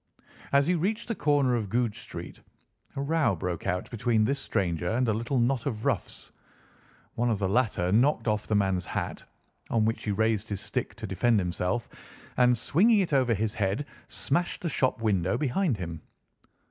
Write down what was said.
As he reached the corner of Goodge Street, a row broke out between this stranger and a little knot of roughs. One of the latter knocked off the man's hat, on which he raised his stick to defend himself and, swinging it over his head, smashed the shop window behind him.